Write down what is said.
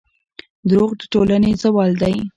دروغ د ټولنې زوال دی.